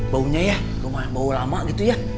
baunya ya lumayan bau lama gitu ya